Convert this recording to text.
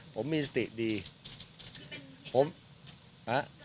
ผมมีสติดีครับผมกำลังจะไปเล่นคอนเซิร์ต